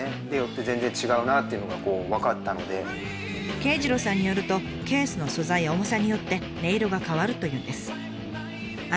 圭次郎さんによるとケースの素材や重さによって音色が変わるというんです。